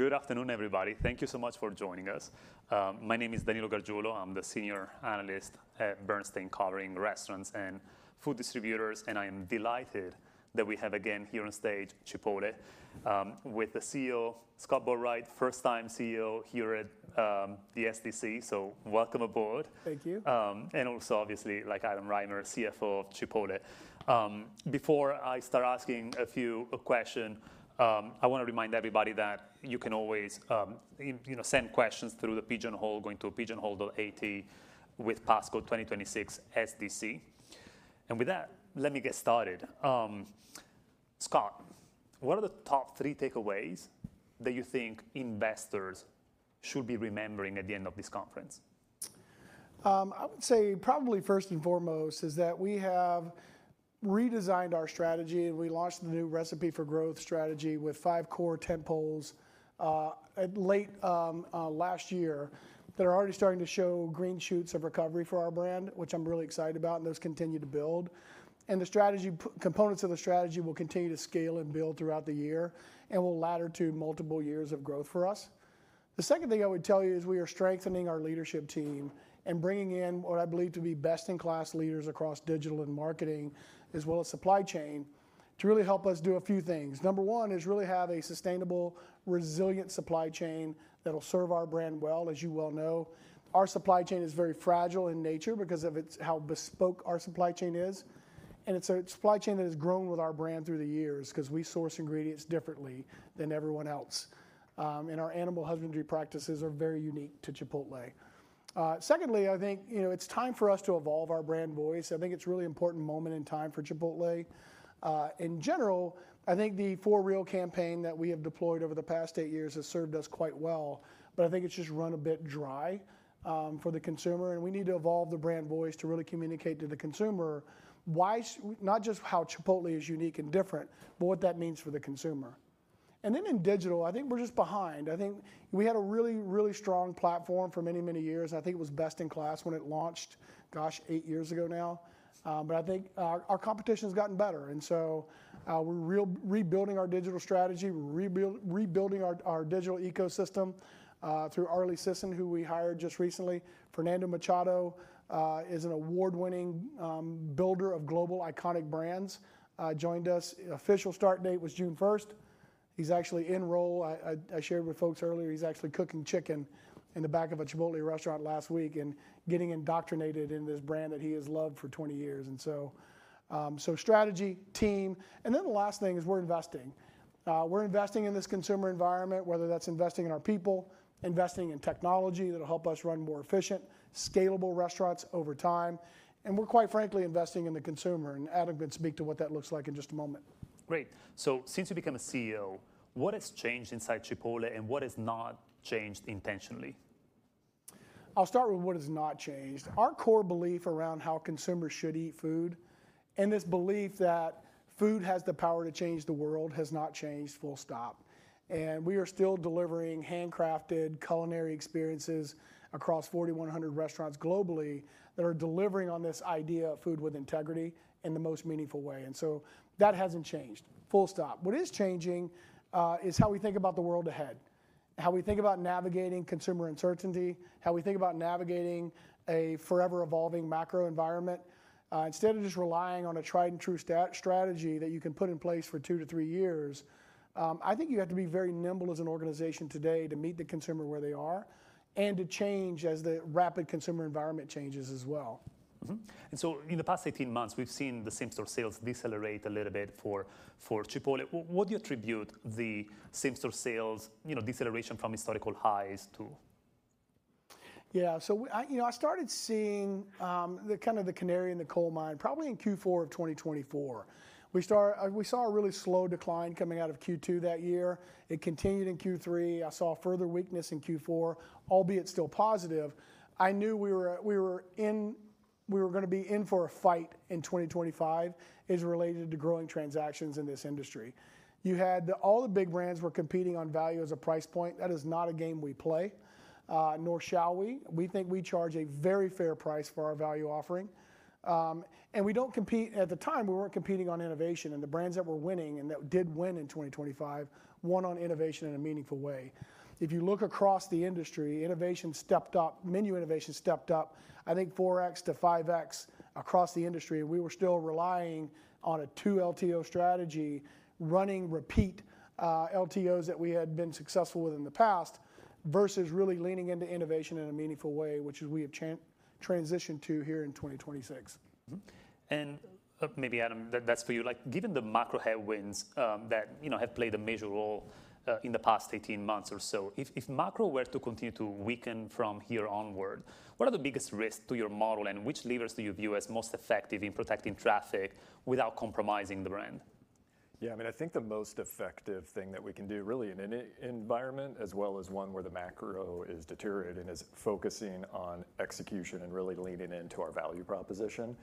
Good afternoon, everybody. Thank you so much for joining us. My name is Danilo Gargiulo. I'm the senior analyst at Bernstein covering restaurants and food distributors, and I am delighted that we have again here on stage, Chipotle, with the CEO, Scott Boatwright, first time CEO here at the SDC. Welcome aboard. Thank you. Also, obviously, Adam Rymer, CFO of Chipotle. Before I start asking a few question, I want to remind everybody that you can always send questions through the Pigeonhole, going to pigeonhole.at with passcode 2026SDC. With that, let me get started. Scott, what are the top three takeaways that you think investors should be remembering at the end of this conference? I would say probably first and foremost is that we have redesigned our strategy. We launched the new Recipe for Growth strategy with five core tentpoles late last year that are already starting to show green shoots of recovery for our brand, which I'm really excited about, and those continue to build. The components of the strategy will continue to scale and build throughout the year and will ladder to multiple years of growth for us. The second thing I would tell you is we are strengthening our leadership team and bringing in what I believe to be best-in-class leaders across digital and marketing, as well as supply chain to really help us do a few things. Number one is really have a sustainable, resilient supply chain that'll serve our brand well. As you well know, our supply chain is very fragile in nature because of how bespoke our supply chain is, and it's a supply chain that has grown with our brand through the years because we source ingredients differently than everyone else. Our animal husbandry practices are very unique to Chipotle. Secondly, I think it's time for us to evolve our brand voice. I think it's a really important moment in time for Chipotle. In general, I think the For Real campaign that we have deployed over the past eight years has served us quite well, but I think it's just run a bit dry for the consumer, and we need to evolve the brand voice to really communicate to the consumer not just how Chipotle is unique and different, but what that means for the consumer. In digital, I think we're just behind. I think we had a really, really strong platform for many, many years, and I think it was best in class when it launched, gosh, eight years ago now. I think our competition's gotten better. We're rebuilding our digital strategy, rebuilding our digital ecosystem, through Arlie Sisson, who we hired just recently. Fernando Machado, is an award-winning builder of global iconic brands, joined us. Official start date was June 1st. He's actually in role. I shared with folks earlier, he was actually cooking chicken in the back of a Chipotle restaurant last week and getting indoctrinated in this brand that he has loved for 20 years. Strategy, team, the last thing is we're investing. We're investing in this consumer environment, whether that's investing in our people, investing in technology that'll help us run more efficient, scalable restaurants over time. We're quite frankly, investing in the consumer. Adam can speak to what that looks like in just a moment. Great. Since you became a CEO, what has changed inside Chipotle and what has not changed intentionally? I'll start with what has not changed. Our core belief around how consumers should eat food and this belief that food has the power to change the world has not changed, full stop. We are still delivering handcrafted culinary experiences across 4,100 restaurants globally that are delivering on this idea of food with integrity in the most meaningful way. That hasn't changed, full stop. What is changing is how we think about the world ahead, how we think about navigating consumer uncertainty, how we think about navigating a forever evolving macro environment. Instead of just relying on a tried and true strategy that you can put in place for two to three years, I think you have to be very nimble as an organization today to meet the consumer where they are and to change as the rapid consumer environment changes as well. Mm-hmm. In the past 18 months, we've seen the same-store sales decelerate a little bit for Chipotle. What do you attribute the same-store sales deceleration from historical highs to? Yeah. I started seeing the canary in the coal mine probably in Q4 of 2024. We saw a really slow decline coming out of Q2 that year. It continued in Q3. I saw further weakness in Q4, albeit still positive. I knew we were going to be in for a fight in 2025 as related to growing transactions in this industry. You had all the big brands were competing on value as a price point. That is not a game we play, nor shall we. We think we charge a very fair price for our value offering. We don't compete, at the time, we weren't competing on innovation and the brands that were winning and that did win in 2025, won on innovation in a meaningful way. If you look across the industry, menu innovation stepped up I think 4x to 5x across the industry. We were still relying on a two LTO strategy, running repeat LTOs that we had been successful with in the past versus really leaning into innovation in a meaningful way, which we have transitioned to here in 2026. Mm-hmm. Maybe Adam, that's for you. Given the macro headwinds that have played a major role in the past 18 months or so, if macro were to continue to weaken from here onward, what are the biggest risks to your model and which levers do you view as most effective in protecting traffic without compromising the brand? Yeah, I think the most effective thing that we can do, really, in any environment as well as one where the macro is deteriorating, is focusing on execution and really leaning into our value proposition.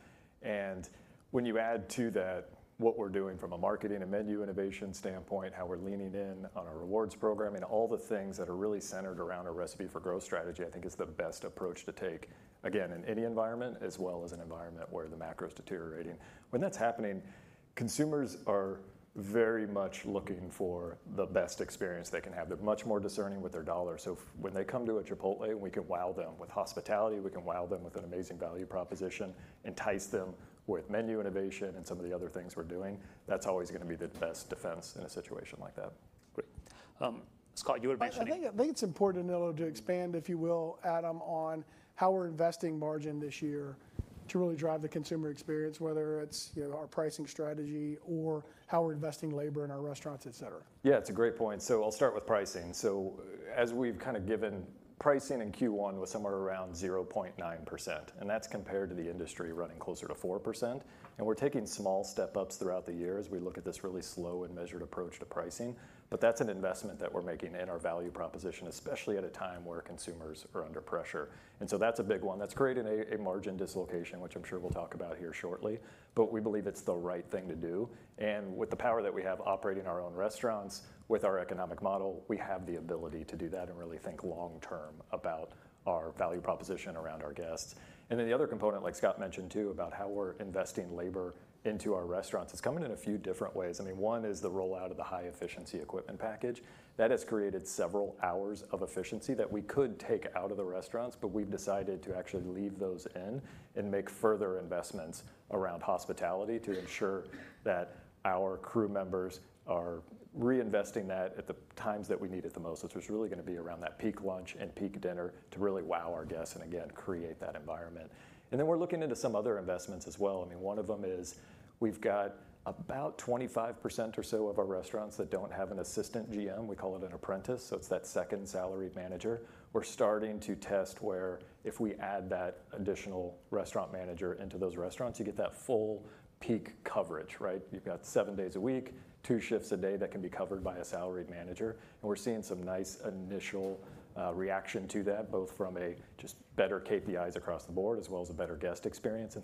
When you add to that what we're doing from a marketing and menu innovation standpoint, how we're leaning in on our rewards program, and all the things that are really centered around our Recipe for Growth strategy, I think is the best approach to take, again, in any environment, as well as an environment where the macro's deteriorating. When that's happening, consumers are very much looking for the best experience they can have. They're much more discerning with their dollar. When they come to a Chipotle, and we can wow them with hospitality, we can wow them with an amazing value proposition, entice them with menu innovation and some of the other things we're doing, that's always going to be the best defense in a situation like that. Great. Scott, you were mentioning. I think it's important, Danilo, to expand, if you will, Adam, on how we're investing margin this year to really drive the consumer experience, whether it's our pricing strategy or how we're investing labor in our restaurants, et cetera. Yeah, it's a great point. I'll start with pricing. As we've given pricing in Q1 was somewhere around 0.9%, and that's compared to the industry running closer to 4%. We're taking small step-ups throughout the year as we look at this really slow and measured approach to pricing. That's an investment that we're making in our value proposition, especially at a time where consumers are under pressure. That's a big one. That's creating a margin dislocation, which I'm sure we'll talk about here shortly. We believe it's the right thing to do. With the power that we have operating our own restaurants, with our economic model, we have the ability to do that and really think long term about our value proposition around our guests. The other component, like Scott mentioned, too, about how we're investing labor into our restaurants, it's coming in a few different ways. One is the rollout of the High-Efficiency Equipment Package. That has created several hours of efficiency that we could take out of the restaurants, but we've decided to actually leave those in and make further investments around hospitality to ensure that our crew members are reinvesting that at the times that we need it the most, which is really going to be around that peak lunch and peak dinner to really wow our guests and, again, create that environment. We're looking into some other investments as well. One of them is we've got about 25% or so of our restaurants that don't have an assistant GM. We call it an apprentice, so it's that second salaried manager. We're starting to test where if we add that additional restaurant manager into those restaurants, you get that full peak coverage, right? You've got seven days a week, two shifts a day that can be covered by a salaried manager. We're seeing some nice initial reaction to that, both from a just better KPIs across the board as well as a better guest experience.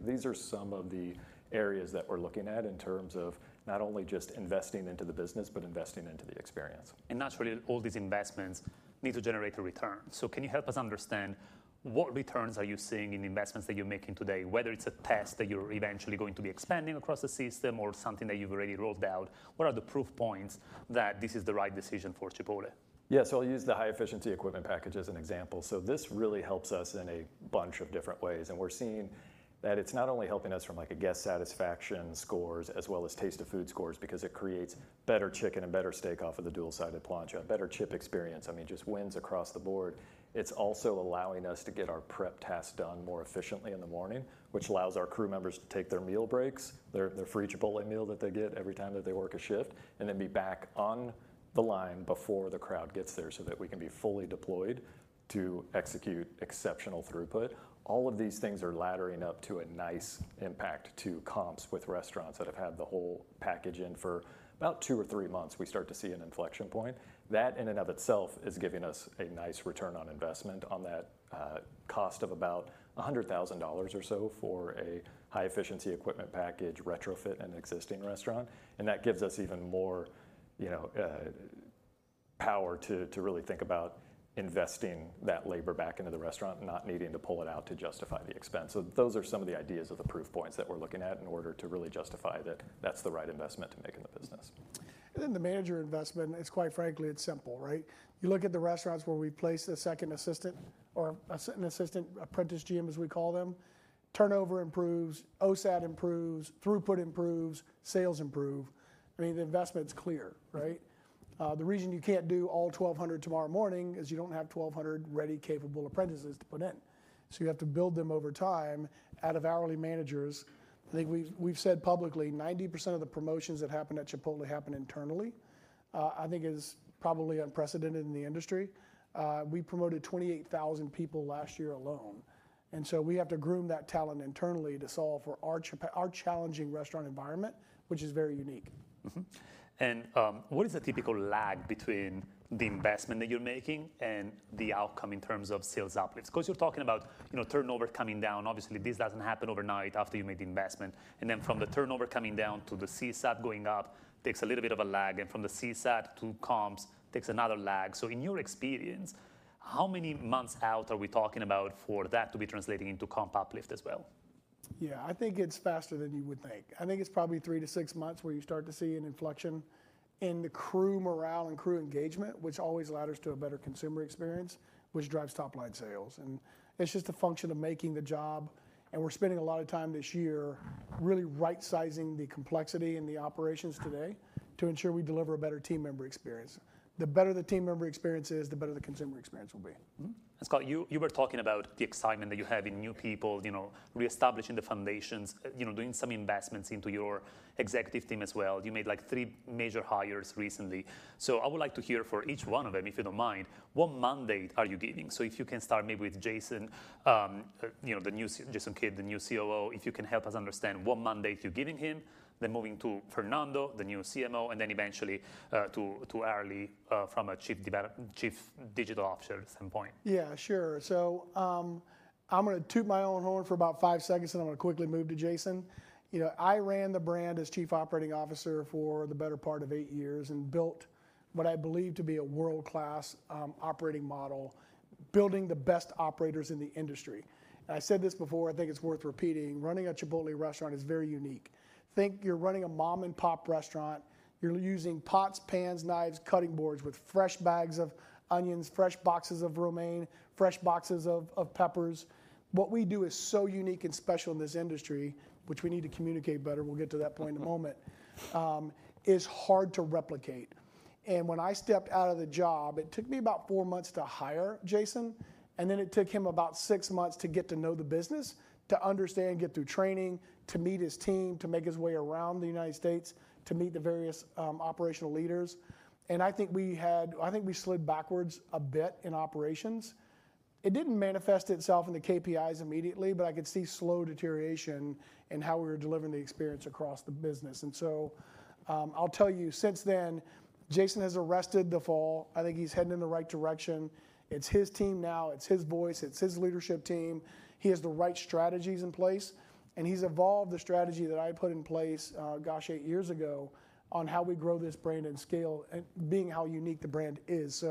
These are some of the areas that we're looking at in terms of not only just investing into the business, but investing into the experience. Naturally, all these investments need to generate a return. Can you help us understand what returns are you seeing in the investments that you're making today, whether it's a test that you're eventually going to be expanding across the system or something that you've already rolled out? What are the proof points that this is the right decision for Chipotle? I'll use the High-Efficiency Equipment Package as an example. This really helps us in a bunch of different ways, and we're seeing that it's not only helping us from, like, a guest satisfaction scores as well as taste of food scores because it creates better chicken and better steak off of the dual-sided plancha, a better chip experience, just wins across the board. It's also allowing us to get our prep tasks done more efficiently in the morning, which allows our crew members to take their meal breaks, their free Chipotle meal that they get every time that they work a shift, and then be back on the line before the crowd gets there so that we can be fully deployed to execute exceptional throughput. All of these things are laddering up to a nice impact to comps with restaurants that have had the whole package in for about two or three months. We start to see an inflection point. That, in and of itself, is giving us a nice return on investment on that cost of about $100,000 or so for a High-Efficiency Equipment Package retrofit in an existing restaurant. That gives us even more power to really think about investing that labor back into the restaurant and not needing to pull it out to justify the expense. Those are some of the ideas of the proof points that we're looking at in order to really justify that that's the right investment to make in the business. The manager investment is, quite frankly, it's simple, right? You look at the restaurants where we place the second assistant or an assistant apprentice GM, as we call them. Turnover improves, OSAT improves, throughput improves, sales improve. The investment's clear, right? The reason you can't do all 1,200 tomorrow morning is you don't have 1,200 ready, capable apprentices to put in. You have to build them over time out of hourly managers. I think we've said publicly 90% of the promotions that happen at Chipotle happen internally. I think is probably unprecedented in the industry. We promoted 28,000 people last year alone. We have to groom that talent internally to solve for our challenging restaurant environment, which is very unique. What is the typical lag between the investment that you're making and the outcome in terms of sales uplifts? Because you're talking about turnover coming down. Obviously, this doesn't happen overnight after you made the investment. From the turnover coming down to the CSAT going up takes a little bit of a lag. From the CSAT to comps takes another lag. In your experience, how many months out are we talking about for that to be translating into comp uplift as well? Yeah, I think it's faster than you would think. I think it's probably three to six months where you start to see an inflection in the crew morale and crew engagement, which always ladders to a better consumer experience, which drives top-line sales. It's just a function of making the job, and we're spending a lot of time this year really right-sizing the complexity in the operations today to ensure we deliver a better team member experience. The better the team member experience is, the better the consumer experience will be. Mm-hmm. Scott, you were talking about the excitement that you have in new people, reestablishing the foundations, doing some investments into your executive team as well. You made, like, three major hires recently. I would like to hear for each one of them, if you don't mind, what mandate are you giving? If you can start maybe with Jason Kidd, the new COO, if you can help us understand what mandate you're giving him. Moving to Fernando, the new CMO, and then eventually, to Arlie, Chief Digital Officer at some point. Yeah, sure. I'm going to toot my own horn for about five seconds, then I'm going to quickly move to Jason. I ran the brand as chief operating officer for the better part of eight years and built what I believe to be a world-class operating model, building the best operators in the industry. I said this before, I think it's worth repeating. Running a Chipotle restaurant is very unique. Think you're running a mom-and-pop restaurant. You're using pots, pans, knives, cutting boards with fresh bags of onions, fresh boxes of romaine, fresh boxes of peppers. What we do is so unique and special in this industry, which we need to communicate better, we'll get to that point in a moment, is hard to replicate. When I stepped out of the job, it took me about four months to hire Jason, and then it took him about six months to get to know the business, to understand, get through training, to meet his team, to make his way around the United States, to meet the various operational leaders. I think we slid backwards a bit in operations. It didn't manifest itself in the KPIs immediately, but I could see slow deterioration in how we were delivering the experience across the business. I'll tell you, since then, Jason has arrested the fall. I think he's heading in the right direction. It's his team now. It's his voice. It's his leadership team. He has the right strategies in place. He's evolved the strategy that I put in place, gosh, eight years ago, on how we grow this brand and scale, being how unique the brand is.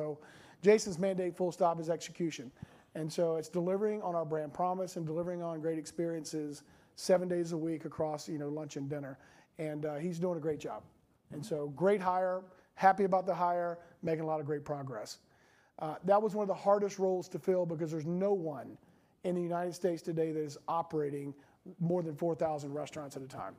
Jason's mandate, full stop, is execution. It's delivering on our brand promise and delivering on great experiences seven days a week across lunch and dinner, and he's doing a great job. Great hire, happy about the hire, making a lot of great progress. That was one of the hardest roles to fill because there's no one in the United States today that is operating more than 4,000 restaurants at a time.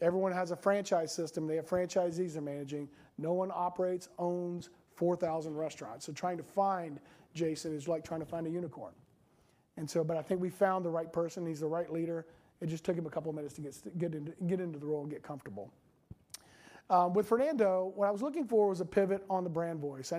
Everyone has a franchise system. They have franchisees they're managing. No one operates, owns 4,000 restaurants. Trying to find Jason is like trying to find a unicorn. I think we found the right person. He's the right leader. It just took him a couple of minutes to get into the role and get comfortable. With Fernando, what I was looking for was a pivot on the brand voice. I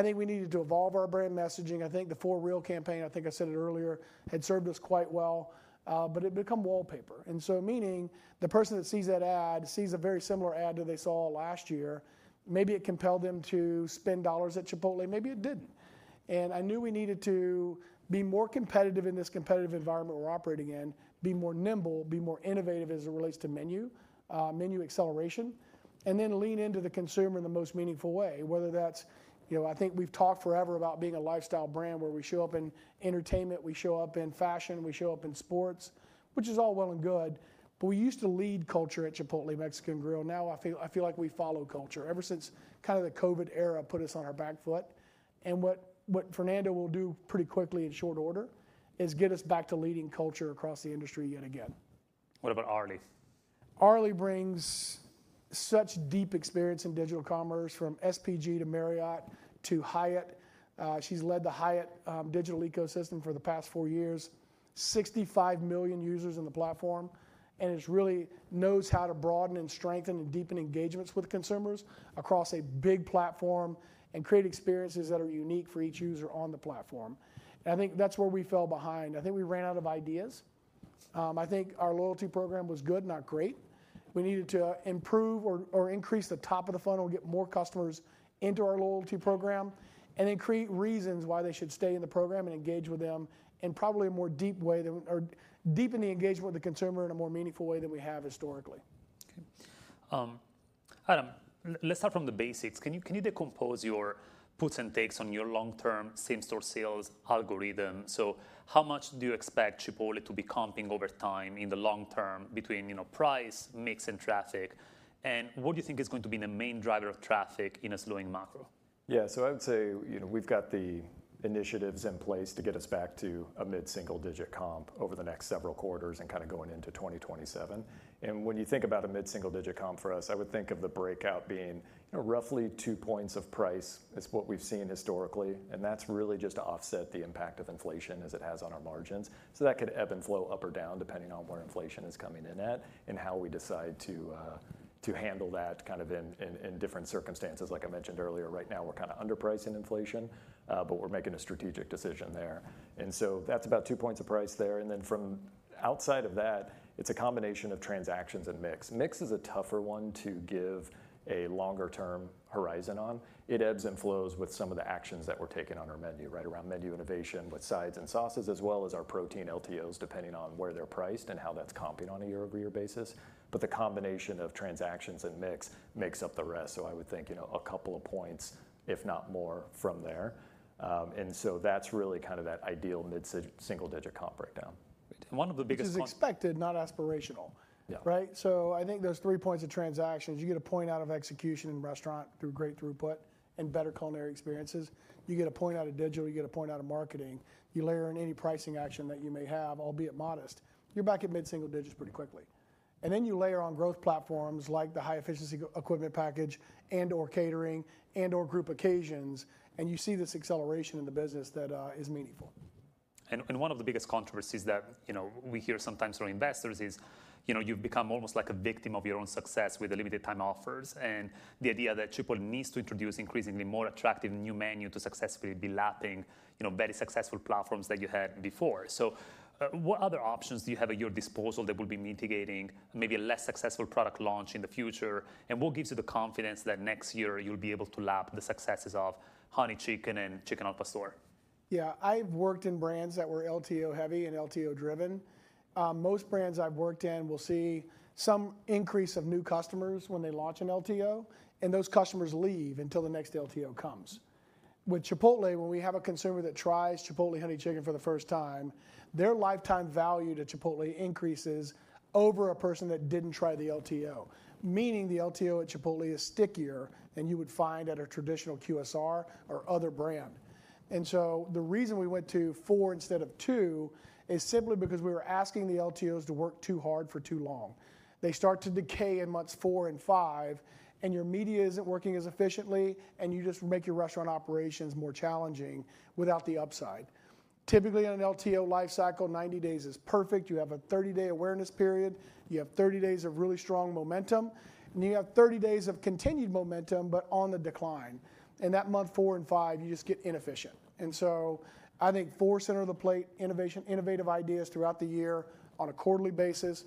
think we needed to evolve our brand messaging. I think the For Real campaign, I think I said it earlier, had served us quite well, but it had become wallpaper. Meaning the person that sees that ad sees a very similar ad that they saw last year. Maybe it compelled them to spend dollars at Chipotle, maybe it didn't. I knew we needed to be more competitive in this competitive environment we're operating in, be more nimble, be more innovative as it relates to menu acceleration, then lean into the consumer in the most meaningful way, whether that's, I think we've talked forever about being a lifestyle brand where we show up in entertainment, we show up in fashion, we show up in sports, which is all well and good, but we used to lead culture at Chipotle Mexican Grill. Now I feel like we follow culture. Ever since the COVID era put us on our back foot. What Fernando will do pretty quickly in short order is get us back to leading culture across the industry yet again. What about Arlie? Arlie brings such deep experience in digital commerce from SPG to Marriott to Hyatt. She's led the Hyatt digital ecosystem for the past four years, 65 million users in the platform, and she really knows how to broaden and strengthen and deepen engagements with consumers across a big platform and create experiences that are unique for each user on the platform. I think that's where we fell behind. I think we ran out of ideas. I think our loyalty program was good, not great. We needed to improve or increase the top of the funnel, get more customers into our loyalty program, and then create reasons why they should stay in the program and engage with them in probably a more deep way or deepen the engagement with the consumer in a more meaningful way than we have historically. Okay. Adam, let's start from the basics. Can you decompose your puts and takes on your long-term same-store sales algorithm? How much do you expect Chipotle to be comping over time in the long term between price, mix, and traffic? What do you think is going to be the main driver of traffic in a slowing macro? I would say, we've got the initiatives in place to get us back to a mid-single digit comp over the next several quarters and going into 2027. When you think about a mid-single digit comp for us, I would think of the breakout being roughly two points of price is what we've seen historically, and that's really just to offset the impact of inflation as it has on our margins. That could ebb and flow up or down, depending on where inflation is coming in at and how we decide to handle that in different circumstances. Like I mentioned earlier, right now we're underpricing inflation, but we're making a strategic decision there. That's about two points a price there, and then from outside of that, it's a combination of transactions and mix. Mix is a tougher one to give a longer-term horizon on. It ebbs and flows with some of the actions that we're taking on our menu, right around menu innovation with sides and sauces, as well as our protein LTOs, depending on where they're priced and how that's comping on a year-over-year basis. The combination of transactions and mix makes up the rest. I would think, a couple of points, if not more from there. That's really that ideal mid-single digit comp breakdown. Great. Which is expected, not aspirational. Yeah. Right? I think there's three points of transactions. You get a point out of execution in restaurant through great throughput and better culinary experiences. You get a point out of digital, you get a point out of marketing. You layer in any pricing action that you may have, albeit modest. You're back at mid-single digits pretty quickly. Then you layer on growth platforms like the High-Efficiency Equipment Package and/or catering and/or group occasions, and you see this acceleration in the business that is meaningful. One of the biggest controversies that we hear sometimes from investors is, you've become almost like a victim of your own success with the limited time offers and the idea that Chipotle needs to introduce increasingly more attractive new menu to successfully be lapping very successful platforms that you had before. What other options do you have at your disposal that will be mitigating maybe a less successful product launch in the future, and what gives you the confidence that next year you'll be able to lap the successes of Honey Chicken and Chicken al Pastor? Yeah. I've worked in brands that were LTO heavy and LTO driven. Most brands I've worked in will see some increase of new customers when they launch an LTO, and those customers leave until the next LTO comes. With Chipotle, when we have a consumer that tries Chipotle Honey Chicken for the first time, their lifetime value to Chipotle increases over a person that didn't try the LTO. Meaning the LTO at Chipotle is stickier than you would find at a traditional QSR or other brand. The reason we went to four instead of two is simply because we were asking the LTOs to work too hard for too long. They start to decay in months four and five, and your media isn't working as efficiently, and you just make your restaurant operations more challenging without the upside. Typically, on an LTO life cycle, 90 days is perfect. You have a 30-day awareness period, you have 30 days of really strong momentum, and you have 30 days of continued momentum, but on the decline. In that month four and five, you just get inefficient. I think four center of the plate, innovation, innovative ideas throughout the year on a quarterly basis,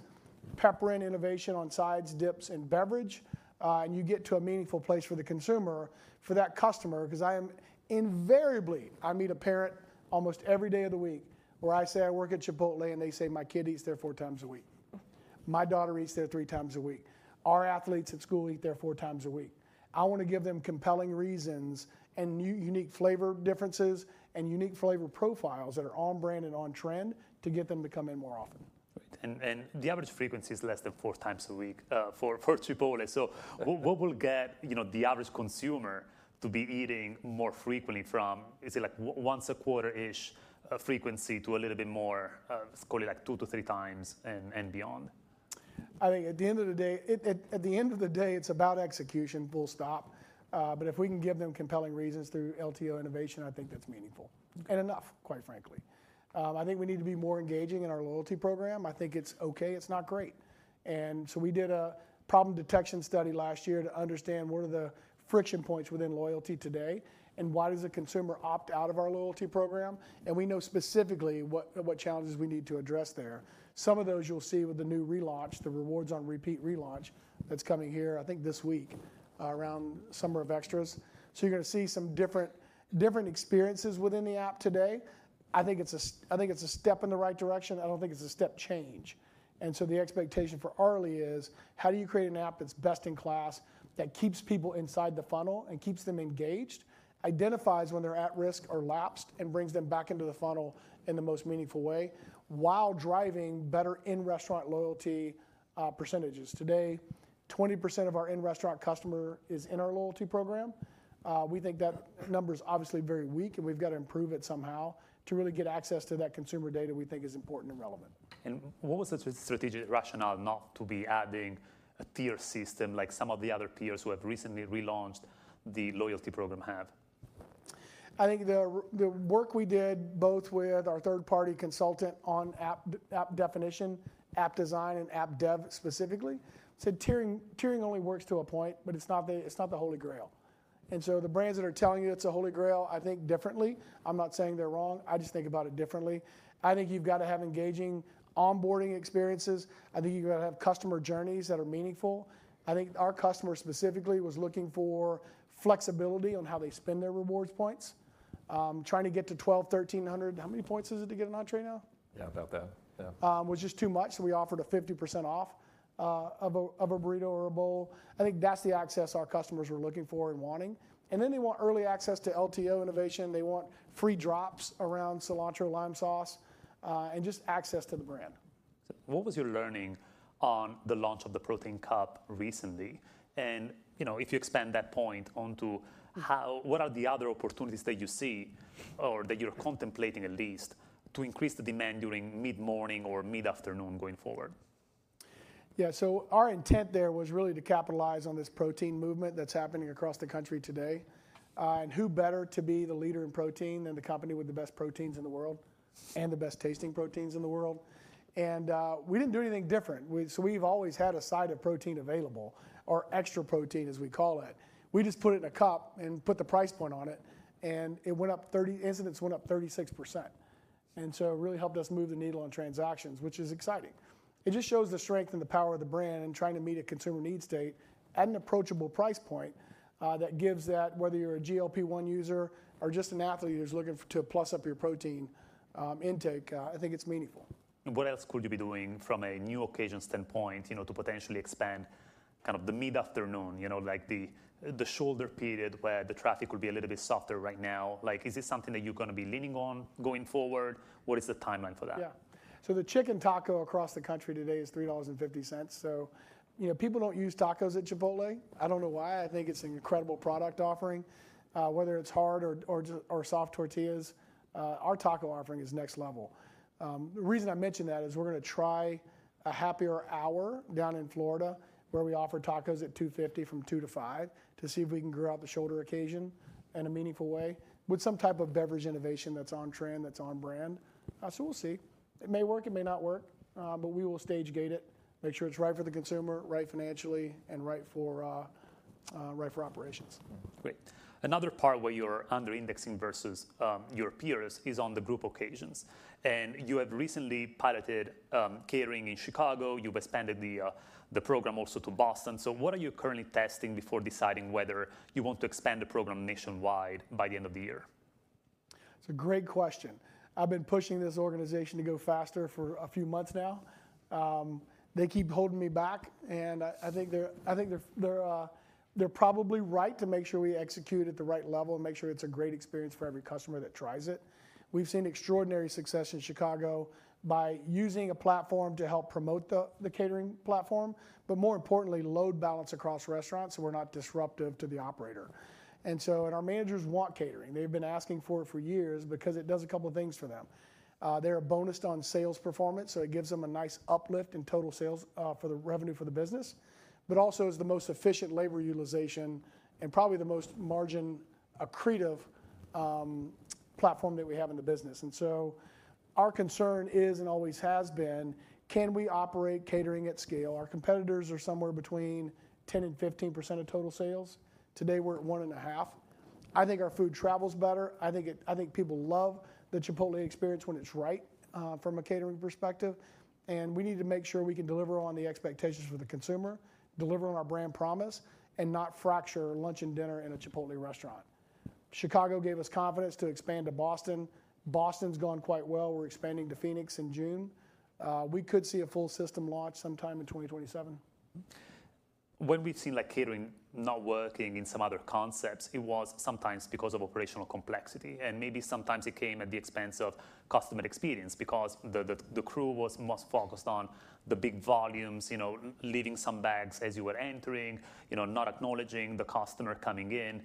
pepper in innovation on sides, dips, and beverage, and you get to a meaningful place for the consumer for that customer. I am invariably, I meet a parent almost every day of the week where I say I work at Chipotle, and they say, "My kid eats there four times a week. My daughter eats there three times a week. Our athletes at school eat there four times a week." I want to give them compelling reasons and new unique flavor differences and unique flavor profiles that are on brand and on trend to get them to come in more often. Great. The average frequency is less than four times a week for Chipotle. What will get the average consumer to be eating more frequently from, is it like once a quarter-ish frequency to a little bit more of, let's call it two to three times and beyond? I think at the end of the day, it's about execution, full stop. If we can give them compelling reasons through LTO innovation, I think that's meaningful and enough, quite frankly. I think we need to be more engaging in our loyalty program. I think it's okay. It's not great. We did a problem detection study last year to understand what are the friction points within loyalty today and why does a consumer opt out of our loyalty program. We know specifically what challenges we need to address there. Some of those you'll see with the new relaunch, the Rewards on Repeat relaunch that's coming here, I think this week, around Summer of Extras. You're going to see some different experiences within the app today. I think it's a step in the right direction. I don't think it's a step change. The expectation for Arlie is: how do you create an app that's best in class, that keeps people inside the funnel and keeps them engaged, identifies when they're at risk or lapsed, and brings them back into the funnel in the most meaningful way while driving better in-restaurant loyalty percentages? Today, 20% of our in-restaurant customer is in our loyalty program. We think that number is obviously very weak, and we've got to improve it somehow to really get access to that consumer data we think is important and relevant. What was the strategic rationale not to be adding a tier system like some of the other peers who have recently relaunched the loyalty program have? I think the work we did both with our third-party consultant on app definition, app design, and app dev specifically, said tiering only works to a point, but it's not the holy grail. The brands that are telling you it's a holy grail, I think differently. I'm not saying they're wrong. I just think about it differently. I think you've got to have engaging onboarding experiences. I think you've got to have customer journeys that are meaningful. I think our customer specifically was looking for flexibility on how they spend their rewards points, trying to get to 1,200, 1,300. How many points is it to get an entree now? Yeah, about that. Yeah. Was just too much. We offered a 50% off of a burrito or a bowl. I think that's the access our customers were looking for and wanting. They want early access to LTO innovation. They want free drops around Cilantro Lime Sauce, and just access to the brand. What was your learning on the launch of the Protein Cup recently? If you expand that point onto what are the other opportunities that you see or that you're contemplating at least to increase the demand during mid-morning or mid-afternoon going forward? Yeah. Our intent there was really to capitalize on this protein movement that's happening across the country today. Who better to be the leader in protein than the company with the best proteins in the world and the best-tasting proteins in the world. We didn't do anything different. We've always had a side of protein available or extra protein, as we call it. We just put it in a cup and put the price point on it, and inciden went up 36%. It really helped us move the needle on transactions, which is exciting. It just shows the strength and the power of the brand and trying to meet a consumer need state at an approachable price point, that gives that whether you're a GLP-1 user or just an athlete who's looking to plus up your protein intake, I think it's meaningful. What else could you be doing from a new occasion standpoint to potentially expand the mid-afternoon, like the shoulder period where the traffic would be a little bit softer right now? Is this something that you're going to be leaning on going forward? What is the timeline for that? Yeah. The chicken taco across the country today is $3.50. People don't use tacos at Chipotle. I don't know why. I think it's an incredible product offering. Whether it's hard or soft tortillas, our taco offering is next level. The reason I mention that is we're going to try a Happier Hour down in Florida where we offer tacos at $2.50 from 2:00 P.M. to 5:00 P.M. to see if we can grow out the shoulder occasion in a meaningful way with some type of beverage innovation that's on trend, that's on brand. We'll see. It may work, it may not work. We will stage gate it, make sure it's right for the consumer, right financially, and right for operations. Great. Another part where you're under-indexing versus your peers is on the group occasions. You have recently piloted catering in Chicago. You've expanded the program also to Boston. What are you currently testing before deciding whether you want to expand the program nationwide by the end of the year? It's a great question. I've been pushing this organization to go faster for a few months now. They keep holding me back, and I think they're probably right to make sure we execute at the right level and make sure it's a great experience for every customer that tries it. We've seen extraordinary success in Chicago by using a platform to help promote the catering platform, but more importantly, load balance across restaurants so we're not disruptive to the operator. Our managers want catering. They've been asking for it for years because it does a couple of things for them. They are bonused on sales performance, so it gives them a nice uplift in total sales for the revenue for the business, but also is the most efficient labor utilization and probably the most margin accretive platform that we have in the business. Our concern is, and always has been, can we operate catering at scale? Our competitors are somewhere between 10% and 15% of total sales. Today, we're at 1.5%. I think our food travels better. I think people love the Chipotle experience when it's right from a catering perspective, and we need to make sure we can deliver on the expectations for the consumer, deliver on our brand promise, and not fracture lunch and dinner in a Chipotle restaurant. Chicago gave us confidence to expand to Boston. Boston's gone quite well. We're expanding to Phoenix in June. We could see a full system launch sometime in 2027. When we've seen catering not working in some other concepts, it was sometimes because of operational complexity, and maybe sometimes it came at the expense of customer experience because the crew was most focused on the big volumes, leaving some bags as you were entering, not acknowledging the customer coming in.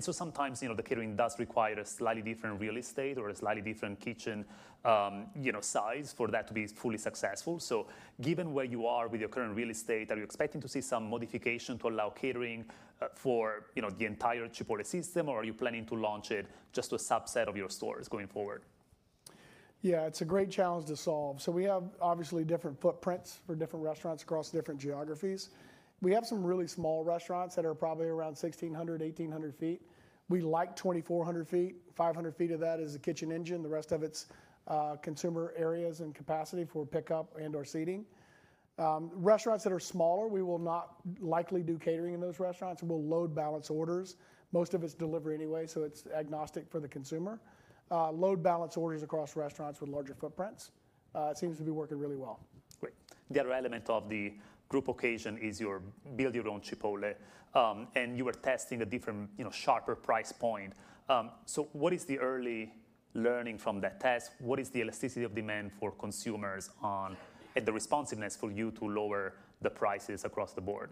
Sometimes, the catering does require a slightly different real estate or a slightly different kitchen size for that to be fully successful. Given where you are with your current real estate, are you expecting to see some modification to allow catering for the entire Chipotle system, or are you planning to launch it just to a subset of your stores going forward? It's a great challenge to solve. We have obviously different footprints for different restaurants across different geographies. We have some really small restaurants that are probably around 1,600 ft, 1,800 ft. We like 2,400 ft. 500 ft of that is the kitchen engine, the rest of it's consumer areas and capacity for pickup and/or seating. Restaurants that are smaller, we will not likely do catering in those restaurants. We'll load balance orders. Most of it's delivery anyway, so it's agnostic for the consumer. Load balance orders across restaurants with larger footprints. It seems to be working really well. Great. The other element of the group occasion is your Build-Your-Own Chipotle, and you were testing a different sharper price point. What is the early learning from that test? What is the elasticity of demand for consumers, and the responsiveness for you to lower the prices across the board?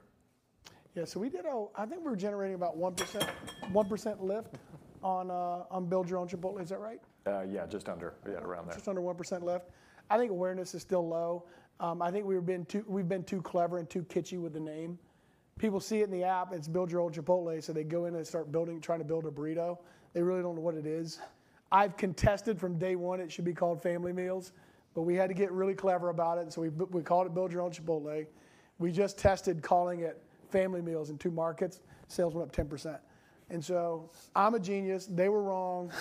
Yeah. I think we're generating about 1% lift on Build-Your-Own Chipotle. Is that right? Yeah, just under. Yeah, around there. Just under 1% lift. I think awareness is still low. I think we've been too clever and too kitschy with the name. People see it in the app, it's Build-Your-Own Chipotle, they go in and start trying to build a burrito. They really don't know what it is. I've contested from day one it should be called Family Meals, we had to get really clever about it, we called it Build-Your-Own Chipotle. We just tested calling it Family Meals in two markets. Sales went up 10%. I'm a genius. They were wrong.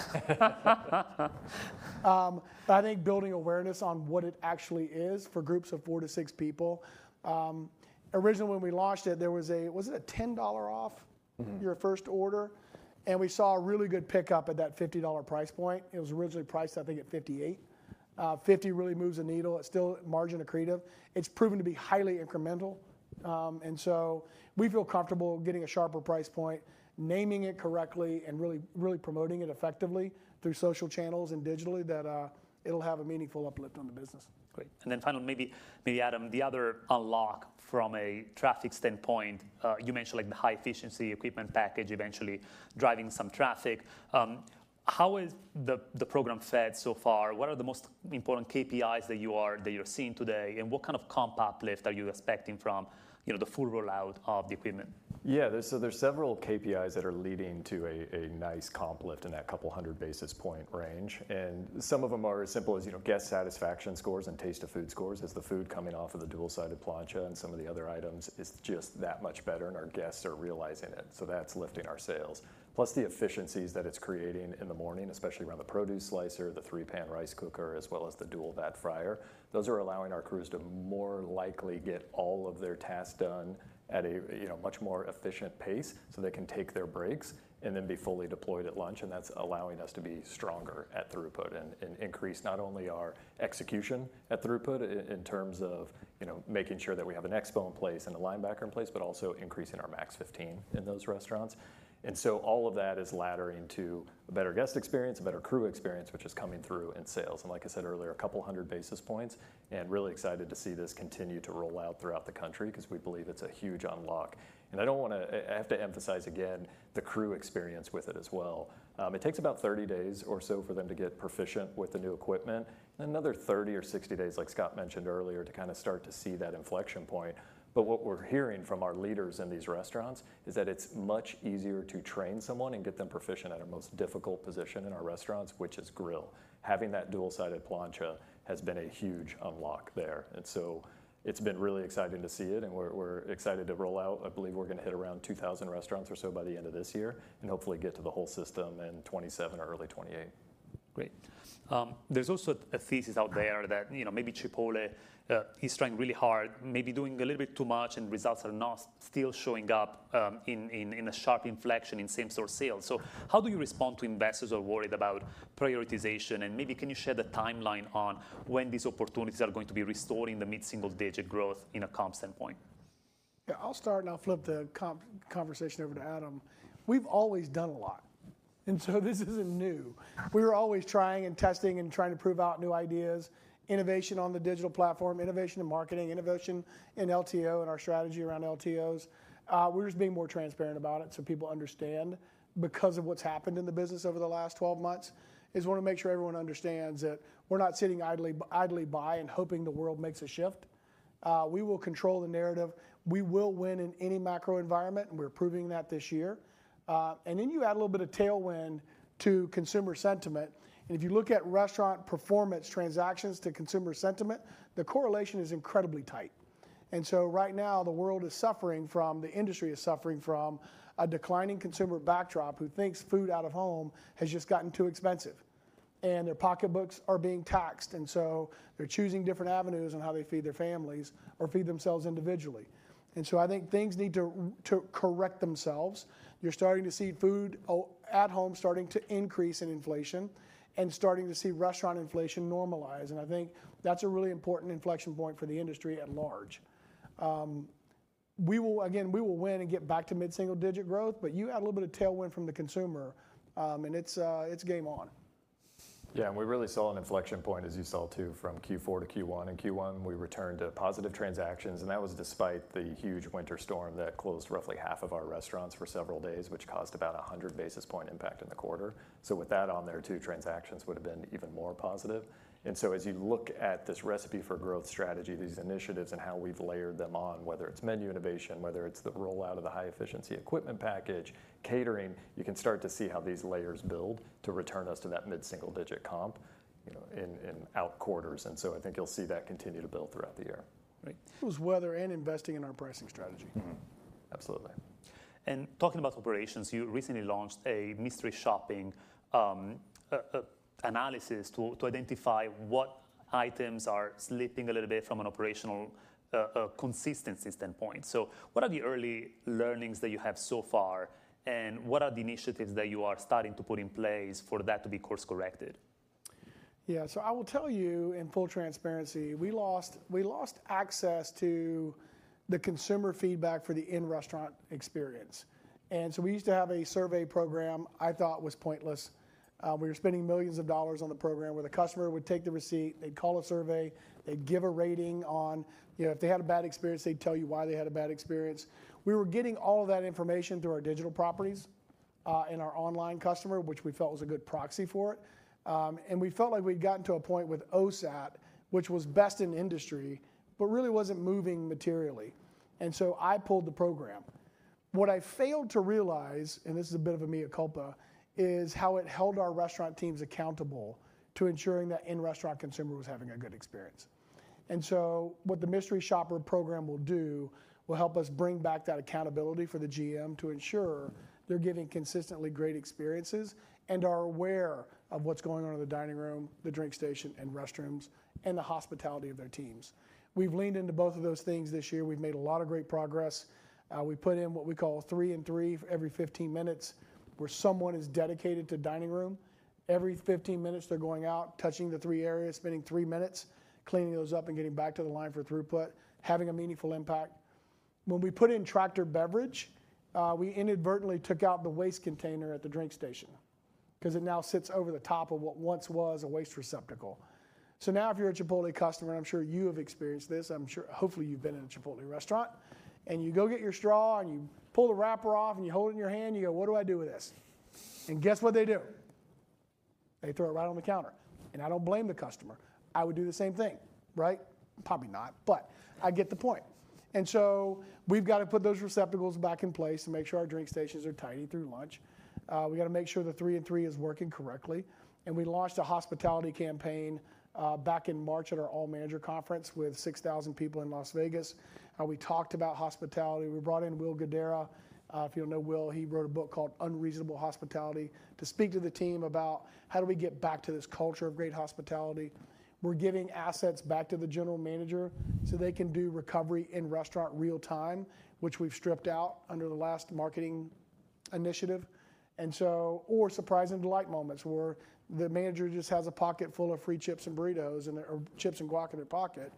I think building awareness on what it actually is for groups of four to six people. Originally, when we launched it, there was a $10 off your first order? We saw a really good pickup at that $50 price point. It was originally priced, I think, at $58. $50 really moves the needle. It's still margin accretive. It's proven to be highly incremental. We feel comfortable getting a sharper price point, naming it correctly, and really promoting it effectively through social channels and digitally that it'll have a meaningful uplift on the business. Great. Then finally, maybe Adam, the other unlock from a traffic standpoint, you mentioned the High-Efficiency Equipment Package eventually driving some traffic. How has the program fed so far? What are the most important KPIs that you are seeing today, and what kind of comp uplift are you expecting from the full rollout of the equipment? Yeah. There are several KPIs that are leading to a nice comp lift in that couple 100 basis points range. Some of them are as simple as guest satisfaction scores and taste of food scores as the food coming off of the dual-sided plancha and some of the other items is just that much better, and our guests are realizing it. That's lifting our sales. Plus the efficiencies that it's creating in the morning, especially around the produce slicer, the three-pan rice cooker, as well as the dual-vat fryer. Those are allowing our crews to more likely get all of their tasks done at a much more efficient pace, so they can take their breaks and then be fully deployed at lunch, and that's allowing us to be stronger at throughput and increase not only our execution at throughput in terms of making sure that we have an expo in place and a linebacker in place, but also increasing our Max 15 in those restaurants. All of that is laddering to a better guest experience, a better crew experience, which is coming through in sales. Like I said earlier, a couple hundred basis points, and really excited to see this continue to roll out throughout the country because we believe it's a huge unlock. I have to emphasize again the crew experience with it as well. It takes about 30 days or so for them to get proficient with the new equipment, and another 30 or 60 days, like Scott mentioned earlier, to kind of start to see that inflection point. What we're hearing from our leaders in these restaurants is that it's much easier to train someone and get them proficient at our most difficult position in our restaurants, which is grill. Having that dual-sided plancha has been a huge unlock there. It's been really exciting to see it, and we're excited to roll out. I believe we're going to hit around 2,000 restaurants or so by the end of this year and hopefully get to the whole system in 2027 or early 2028. Great. There's also a thesis out there that maybe Chipotle is trying really hard, maybe doing a little bit too much, and results are not still showing up in a sharp inflection in same-store sales. How do you respond to investors who are worried about prioritization? Maybe can you share the timeline on when these opportunities are going to be restoring the mid-single digit growth in a comp standpoint? Yeah, I'll start and I'll flip the conversation over to Adam. We've always done a lot. This isn't new. We are always trying and testing and trying to prove out new ideas, innovation on the digital platform, innovation in marketing, innovation in LTO and our strategy around LTOs. We're just being more transparent about it. People understand. Because of what's happened in the business over the last 12 months, just want to make sure everyone understands that we're not sitting idly by and hoping the world makes a shift. We will control the narrative. We will win in any macro environment. We're proving that this year. You add a little bit of tailwind to consumer sentiment. If you look at restaurant performance transactions to consumer sentiment, the correlation is incredibly tight. Right now, the world is suffering from, the industry is suffering from a declining consumer backdrop who thinks food out of home has just gotten too expensive, their pocketbooks are being taxed, they're choosing different avenues on how they feed their families or feed themselves individually. I think things need to correct themselves. You're starting to see food at home starting to increase in inflation and starting to see restaurant inflation normalize. I think that's a really important inflection point for the industry at large. Again, we will win and get back to mid-single digit growth. You add a little bit of tailwind from the consumer, and it's game on. We really saw an inflection point, as you saw too, from Q4 to Q1. In Q1, we returned to positive transactions, that was despite the huge winter storm that closed roughly half of our restaurants for several days, which caused about 100 basis point impact in the quarter. With that on there too, transactions would've been even more positive. As you look at this recipe for growth strategy, these initiatives and how we've layered them on, whether it's menu innovation, whether it's the rollout of the High-Efficiency Equipment Package, catering, you can start to see how these layers build to return us to that mid-single digit comp in out quarters. I think you'll see that continue to build throughout the year. Right. It was weather and investing in our pricing strategy. Mm-hmm. Absolutely. Talking about operations, you recently launched a mystery shopping analysis to identify what items are slipping a little bit from an operational consistency standpoint. What are the early learnings that you have so far, and what are the initiatives that you are starting to put in place for that to be course corrected? Yeah. I will tell you, in full transparency, we lost access to the consumer feedback for the in-restaurant experience. We used to have a survey program I thought was pointless. We were spending millions of dollars on the program where the customer would take the receipt, they'd call a survey, they'd give a rating on if they had a bad experience, they'd tell you why they had a bad experience. We were getting all of that information through our digital properties, and our online customer, which we felt was a good proxy for it. We felt like we'd gotten to a point with OSAT, which was best in industry, but really wasn't moving materially, I pulled the program. What I failed to realize, this is a bit of a mea culpa, is how it held our restaurant teams accountable to ensuring that in-restaurant consumer was having a good experience. What the mystery shopper program will do, will help us bring back that accountability for the GM to ensure they're giving consistently great experiences and are aware of what's going on in the dining room, the drink station, and restrooms, and the hospitality of their teams. We've leaned into both of those things this year. We've made a lot of great progress. We put in what we call three and three every 15 minutes, where someone is dedicated to dining room. Every 15 minutes, they're going out, touching the three areas, spending three minutes cleaning those up, and getting back to the line for throughput, having a meaningful impact. When we put in Tractor Beverage, we inadvertently took out the waste container at the drink station because it now sits over the top of what once was a waste receptacle. Now if you're a Chipotle customer, I'm sure you have experienced this, hopefully you've been in a Chipotle restaurant, and you go get your straw and you pull the wrapper off and you hold it in your hand, you go, "What do I do with this?" Guess what they do? They throw it right on the counter. I don't blame the customer. I would do the same thing, right? Probably not, but I get the point. We've got to put those receptacles back in place to make sure our drink stations are tidy through lunch. We got to make sure the three and three is working correctly. We launched a hospitality campaign, back in March at our all manager conference with 6,000 people in Las Vegas. We talked about hospitality. We brought in Will Guidara, if you know Will, he wrote a book called "Unreasonable Hospitality," to speak to the team about how do we get back to this culture of great hospitality. We're giving assets back to the general manager so they can do recovery in restaurant real time, which we've stripped out under the last marketing initiative. Surprise and delight moments, where the manager just has a pocket full of free chips and burritos or chips and guac in their pocket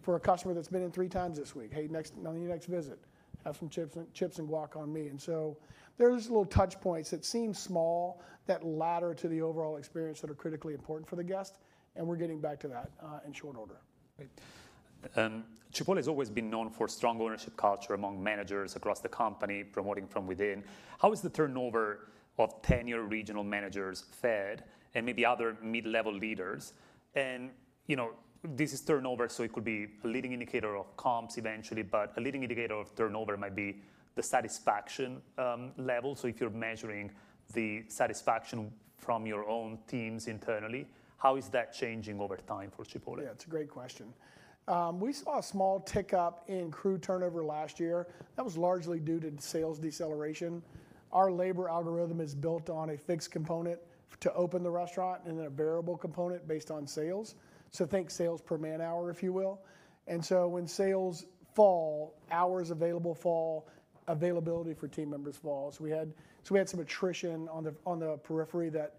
for a customer that's been in three times this week. Hey, on your next visit, have some chips and guac on me. There's little touch points that seem small, that ladder to the overall experience that are critically important for the guest, and we're getting back to that in short order. Great. Chipotle has always been known for strong ownership culture among managers across the company, promoting from within. How is the turnover of tenure regional managers fared and maybe other mid-level leaders? This is turnover, so it could be a leading indicator of comps eventually, but a leading indicator of turnover might be the satisfaction level. If you're measuring the satisfaction from your own teams internally, how is that changing over time for Chipotle? It's a great question. We saw a small tick up in crew turnover last year. That was largely due to sales deceleration. Our labor algorithm is built on a fixed component to open the restaurant and then a variable component based on sales. Think sales per man-hour, if you will. When sales fall, hours available fall, availability for team members falls. We had some attrition on the periphery that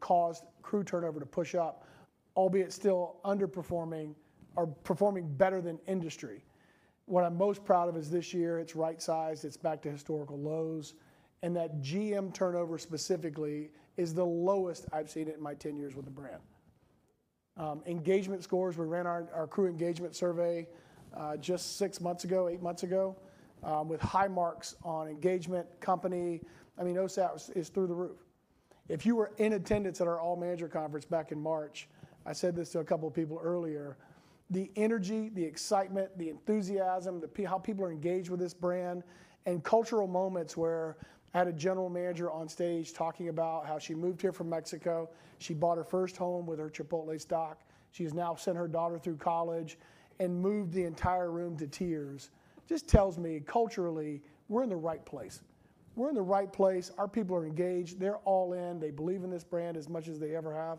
caused crew turnover to push up. Albeit still underperforming or performing better than industry. What I'm most proud of is this year, it's right-sized, it's back to historical lows, and that GM turnover specifically is the lowest I've seen it in my 10 years with the brand. Engagement scores, we ran our crew engagement survey just six months ago, eight months ago, with high marks on engagement, company. OSAT is through the roof. If you were in attendance at our all-manager conference back in March, I said this to a couple people earlier, the energy, the excitement, the enthusiasm, how people are engaged with this brand, and cultural moments where I had a general manager on stage talking about how she moved here from Mexico. She bought her first home with her Chipotle stock. She has now sent her daughter through college and moved the entire room to tears. Just tells me culturally, we're in the right place. We're in the right place. Our people are engaged. They're all in. They believe in this brand as much as they ever have.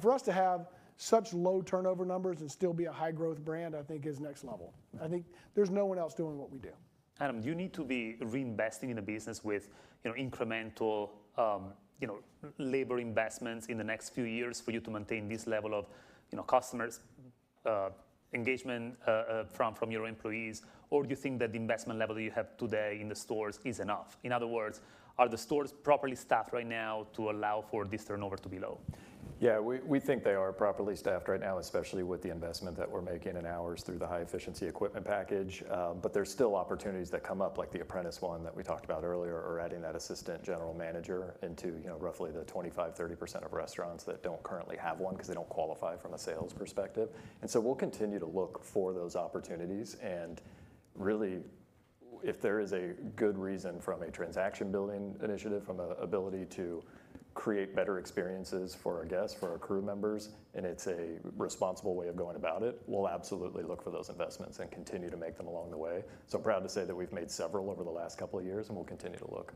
For us to have such low turnover numbers and still be a high-growth brand, I think is next level. I think there's no one else doing what we do. Adam, do you need to be reinvesting in the business with incremental labor investments in the next few years for you to maintain this level of customers engagement from your employees? Or do you think that the investment level you have today in the stores is enough? In other words, are the stores properly staffed right now to allow for this turnover to be low? Yeah, we think they are properly staffed right now, especially with the investment that we're making in ours through the High-Efficiency Equipment Package. There's still opportunities that come up, like the apprentice one that we talked about earlier, or adding that assistant general manager into roughly the 25%, 30% of restaurants that don't currently have one because they don't qualify from a sales perspective. We'll continue to look for those opportunities and really if there is a good reason from a transaction-building initiative, from an ability to create better experiences for our guests, for our crew members, and it's a responsible way of going about it, we'll absolutely look for those investments and continue to make them along the way. Proud to say that we've made several over the last couple of years, and we'll continue to look.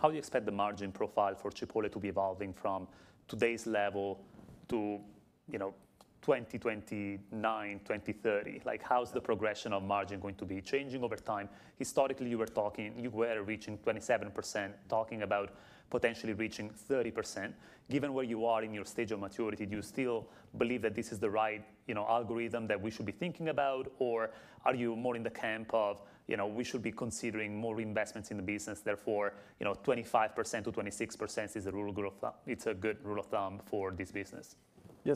How do you expect the margin profile for Chipotle to be evolving from today's level to 2029, 2030? How's the progression of margin going to be changing over time? Historically, you were reaching 27%, talking about potentially reaching 30%. Given where you are in your stage of maturity, do you still believe that this is the right algorithm that we should be thinking about? Are you more in the camp of we should be considering more investments in the business, therefore, 25%-26% is a good rule of thumb for this business? Yeah.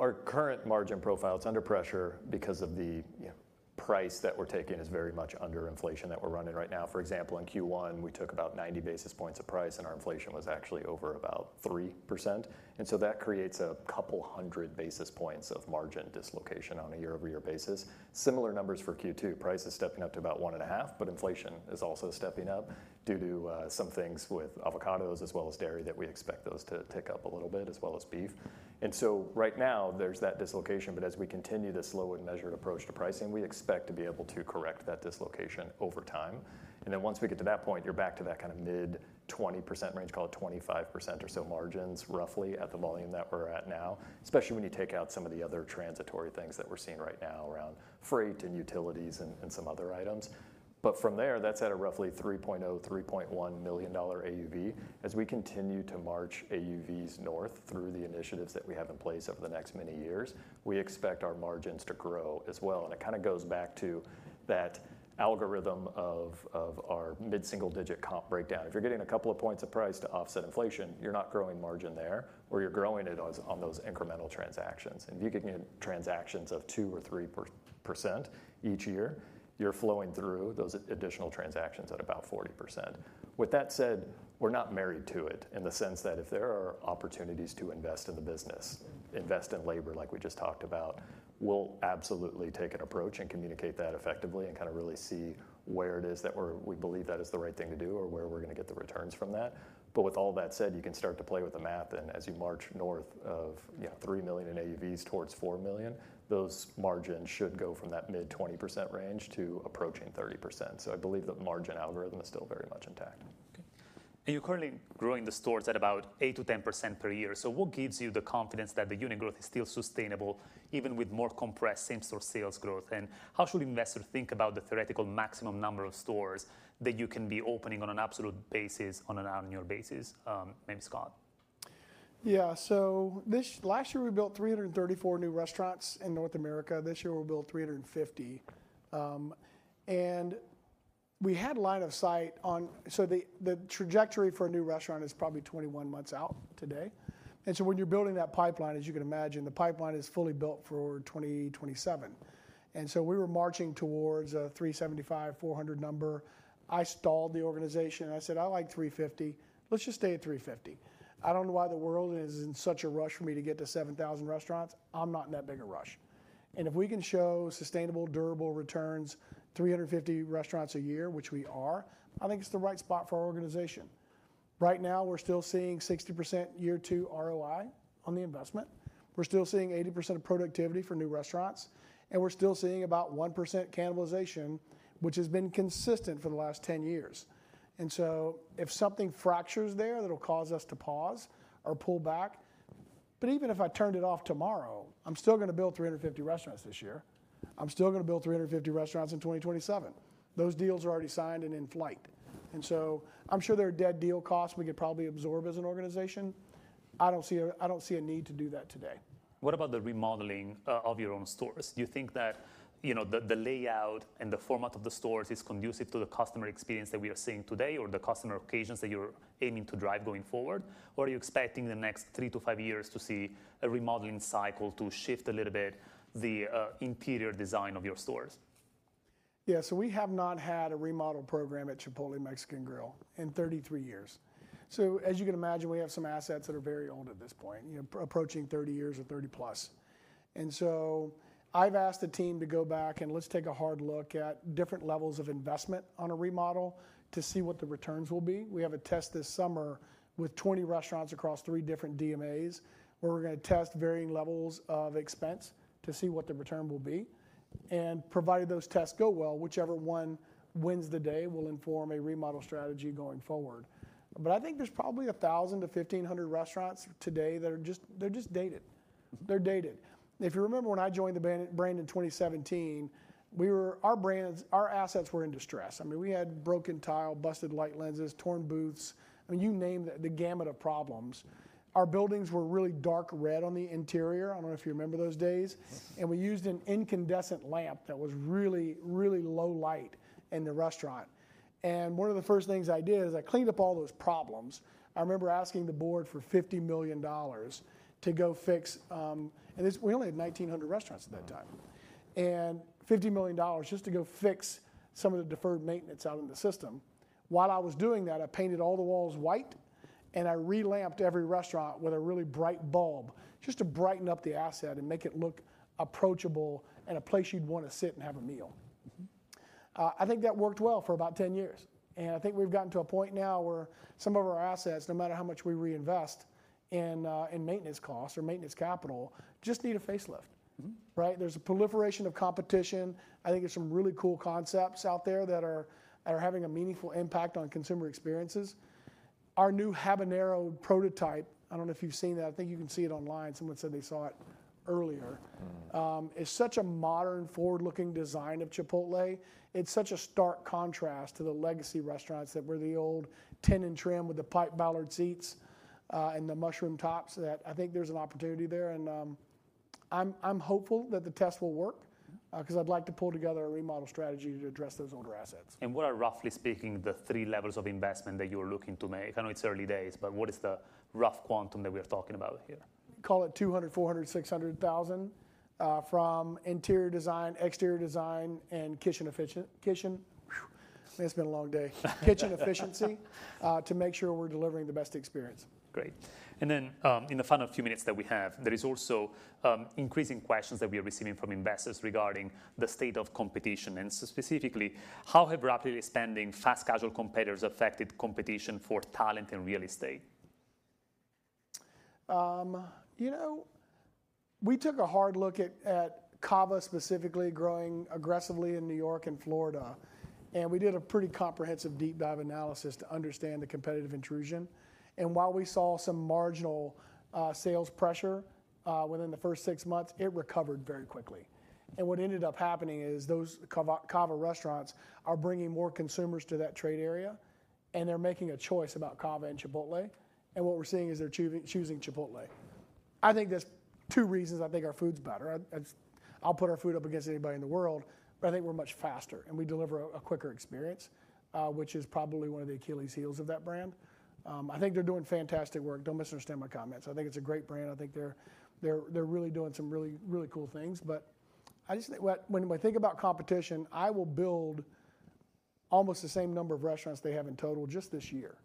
Our current margin profile, it's under pressure because of the price that we're taking is very much under inflation that we're running right now. For example, in Q1, we took about 90 basis points of price. Our inflation was actually over about 3%. That creates a couple 100 basis points of margin dislocation on a year-over-year basis. Similar numbers for Q2. Price is stepping up to about one and a half. Inflation is also stepping up due to some things with avocados as well as dairy that we expect those to tick up a little bit, as well as beef. Right now, there's that dislocation. As we continue this slow and measured approach to pricing, we expect to be able to correct that dislocation over time. Once we get to that point, you're back to that kind of mid-20% range, call it 25% or so margins, roughly at the volume that we're at now, especially when you take out some of the other transitory things that we're seeing right now around freight and utilities and some other items. From there, that's at a roughly $3.0 million-$3.1 million AUV. As we continue to march AUVs north through the initiatives that we have in place over the next many years, we expect our margins to grow as well. It kind of goes back to that algorithm of our mid-single-digit comp breakdown. If you're getting a couple of points of price to offset inflation, you're not growing margin there, or you're growing it on those incremental transactions. If you can get transactions of 2% or 3% each year, you're flowing through those additional transactions at about 40%. With that said, we're not married to it in the sense that if there are opportunities to invest in the business, invest in labor like we just talked about, we'll absolutely take an approach and communicate that effectively and kind of really see where it is that we believe that is the right thing to do or where we're going to get the returns from that. With all that said, you can start to play with the math and as you march north of $3 million in AUVs towards $4 million, those margins should go from that mid 20% range to approaching 30%. I believe the margin algorithm is still very much intact. Okay. You're currently growing the stores at about 8%-10% per year. What gives you the confidence that the unit growth is still sustainable even with more compressed same-store sales growth? How should investors think about the theoretical maximum number of stores that you can be opening on an absolute basis on an annual basis? Maybe Scott. Yeah. Last year we built 334 new restaurants in North America. This year we'll build 350. We had line of sight on, so the trajectory for a new restaurant is probably 21 months out today. When you're building that pipeline, as you can imagine, the pipeline is fully built for 2027. We were marching towards a 375, 400 number. I stalled the organization and I said, "I like 350. Let's just stay at 350." I don't know why the world is in such a rush for me to get to 7,000 restaurants. I'm not in that big a rush. If we can show sustainable, durable returns, 350 restaurants a year, which we are, I think it's the right spot for our organization. Right now, we're still seeing 60% year two ROI on the investment. We're still seeing 80% of productivity for new restaurants, and we're still seeing about 1% cannibalization, which has been consistent for the last 10 years. If something fractures there, that'll cause us to pause or pull back. Even if I turned it off tomorrow, I'm still going to build 350 restaurants this year. I'm still going to build 350 restaurants in 2027. Those deals are already signed and in flight. I'm sure there are dead deal costs we could probably absorb as an organization. I don't see a need to do that today. What about the remodeling of your own stores? Do you think that the layout and the format of the stores is conducive to the customer experience that we are seeing today, or the customer occasions that you're aiming to drive going forward? Are you expecting the next three to five years to see a remodeling cycle to shift a little bit the interior design of your stores? Yeah. We have not had a remodel program at Chipotle Mexican Grill in 33 years. As you can imagine, we have some assets that are very old at this point, approaching 30 years or 30+. I've asked the team to go back and let's take a hard look at different levels of investment on a remodel to see what the returns will be. We have a test this summer with 20 restaurants across three different DMAs, where we're going to test varying levels of expense to see what the return will be. Provided those tests go well, whichever one wins the day will inform a remodel strategy going forward. I think there's probably 1,000-1,500 restaurants today that are just dated. They're dated. If you remember when I joined the brand in 2017, our assets were in distress. We had broken tile, busted light lenses, torn booths. You name the gamut of problems. Our buildings were really dark red on the interior, I don't know if you remember those days. We used an incandescent lamp that was really low light in the restaurant. One of the first things I did is I cleaned up all those problems. I remember asking the board for $50 million to go fix. We only had 1,900 restaurants at that time. $50 million just to go fix some of the deferred maintenance out in the system. While I was doing that, I painted all the walls white, and I re-lamped every restaurant with a really bright bulb, just to brighten up the asset and make it look approachable and a place you'd want to sit and have a meal. I think that worked well for about 10 years, and I think we've gotten to a point now where some of our assets, no matter how much we reinvest in maintenance costs or maintenance capital, just need a facelift. Right? There's a proliferation of competition. I think there's some really cool concepts out there that are having a meaningful impact on consumer experiences. Our new habanero prototype, I don't know if you've seen that, I think you can see it online. Someone said they saw it earlier. It's such a modern, forward-looking design of Chipotle. It's such a stark contrast to the legacy restaurants that were the old tin and trim with the pipe bollard seats, and the mushroom tops, that I think there's an opportunity there. I'm hopeful that the test will work, because I'd like to pull together a remodel strategy to address those older assets. What are, roughly speaking, the three levels of investment that you're looking to make? I know it's early days, but what is the rough quantum that we are talking about here? Call it $200,000, $400,000, $600,000, from interior design, exterior design, and kitchen efficiency. It's been a long day. Kitchen efficiency, to make sure we're delivering the best experience. Great. In the final few minutes that we have, there is also increasing questions that we are receiving from investors regarding the state of competition, and specifically, how have rapidly expanding fast casual competitors affected competition for talent and real estate? We took a hard look at CAVA specifically growing aggressively in New York and Florida. We did a pretty comprehensive deep dive analysis to understand the competitive intrusion. While we saw some marginal sales pressure within the first six months, it recovered very quickly. What ended up happening is those CAVA restaurants are bringing more consumers to that trade area, and they're making a choice about CAVA and Chipotle. What we're seeing is they're choosing Chipotle. I think there's two reasons. I think our food's better. I'll put our food up against anybody in the world. I think we're much faster, and we deliver a quicker experience, which is probably one of the Achilles' heels of that brand. I think they're doing fantastic work. Don't misunderstand my comments. I think it's a great brand. I think they're really doing some really cool things, but I just think when I think about competition, I will build almost the same number of restaurants they have in total just this year.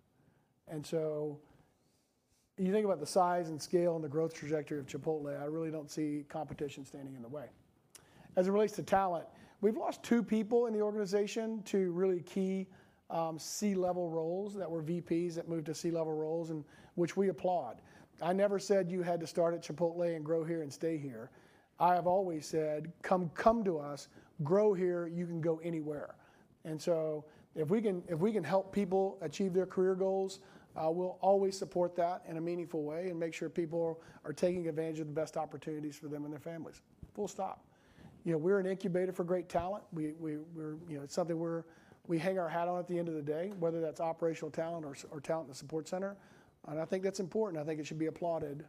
You think about the size and scale and the growth trajectory of Chipotle, I really don't see competition standing in the way. As it relates to talent, we've lost two people in the organization, two really key C-level roles that were VPs that moved to C-level roles, and which we applaud. I never said you had to start at Chipotle and grow here and stay here. I have always said, "Come to us, grow here. You can go anywhere." If we can help people achieve their career goals, we'll always support that in a meaningful way and make sure people are taking advantage of the best opportunities for them and their families. Full stop. We're an incubator for great talent. It's something we hang our hat on at the end of the day, whether that's operational talent or talent in the support center. I think that's important. I think it should be applauded,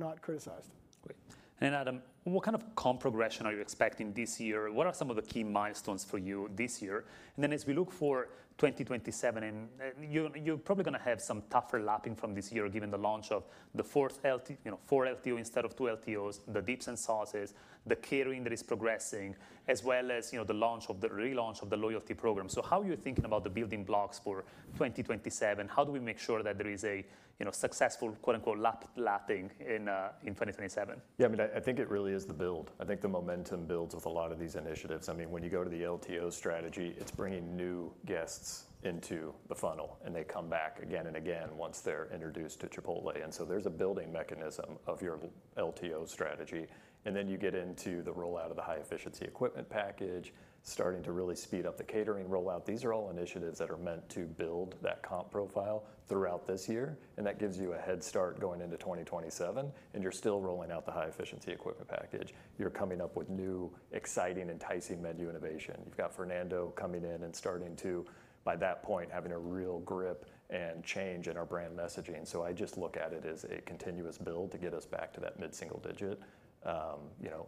not criticized. Great. Adam, what kind of comp progression are you expecting this year? What are some of the key milestones for you this year? As we look for 2027, you're probably going to have some tougher lapping from this year, given the launch of the four LTO instead of two LTOs, the dips and sauces, the catering that is progressing, as well as the relaunch of the loyalty program. How are you thinking about the building blocks for 2027? How do we make sure that there is a successful, quote-unquote, "lapping" in 2027? Yeah, I think it really is the build. I think the momentum builds with a lot of these initiatives. When you go to the LTO strategy, it's bringing new guests into the funnel, and they come back again and again once they're introduced to Chipotle. So there's a building mechanism of your LTO strategy, then you get into the rollout of the High-Efficiency Equipment Package, starting to really speed up the catering rollout. These are all initiatives that are meant to build that comp profile throughout this year, that gives you a head start going into 2027, and you're still rolling out the High-Efficiency Equipment Package. You're coming up with new, exciting, enticing menu innovation. You've got Fernando coming in and starting to, by that point, having a real grip and change in our brand messaging. I just look at it as a continuous build to get us back to that mid-single digit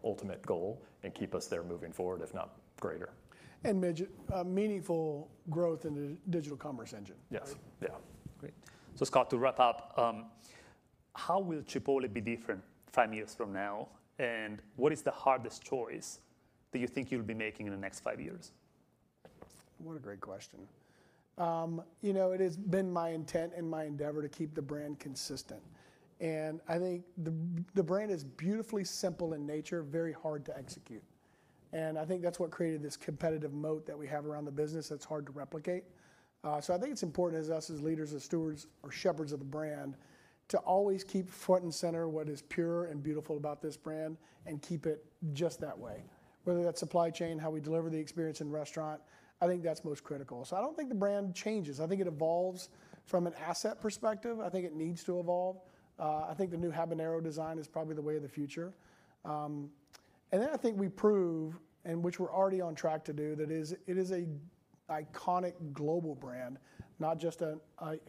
ultimate goal and keep us there moving forward, if not greater. Meaningful growth in the digital commerce engines. Yes. Yeah. Great. Scott, to wrap up, how will Chipotle be different five years from now, and what is the hardest choice that you think you'll be making in the next five years? What a great question. It has been my intent and my endeavor to keep the brand consistent. I think the brand is beautifully simple in nature, very hard to execute. I think that's what created this competitive moat that we have around the business that's hard to replicate. I think it's important as us as leaders, as stewards or shepherds of the brand to always keep front and center what is pure and beautiful about this brand and keep it just that way. Whether that's supply chain, how we deliver the experience in restaurant, I think that's most critical. I don't think the brand changes. I think it evolves from an asset perspective. I think it needs to evolve. I think the new habanero design is probably the way of the future. I think we prove, and which we're already on track to do, that it is an iconic global brand, not just a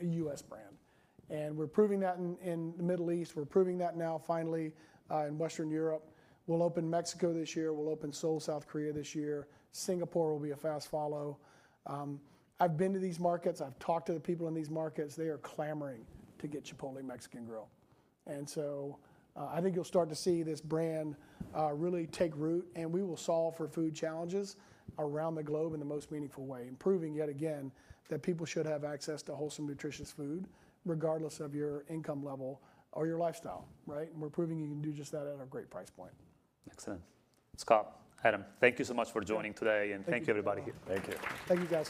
U.S. brand. We're proving that in the Middle East. We're proving that now finally in Western Europe. We'll open Mexico this year. We'll open Seoul, South Korea this year. Singapore will be a fast follow. I've been to these markets. I've talked to the people in these markets. They are clamoring to get Chipotle Mexican Grill. I think you'll start to see this brand really take root, and we will solve for food challenges around the globe in the most meaningful way. Proving yet again that people should have access to wholesome, nutritious food, regardless of your income level or your lifestyle, right. We're proving you can do just that at a great price point. Excellent. Scott, Adam, thank you so much for joining today. Thank you. Thank you, everybody here. Thank you. Thank you, guys.